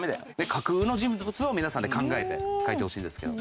架空の人物を皆さんで考えて書いてほしいんですけど。